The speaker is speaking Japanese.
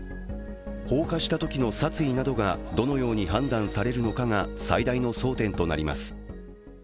放火したときの殺意などがどのように判断されるのかが最大の争点となります。